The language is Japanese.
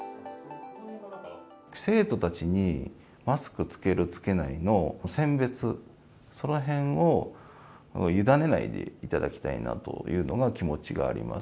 生徒たちにマスクつける、つけないの選別、そのへんを、委ねないでいただきたいなというのが、気持ちがあります。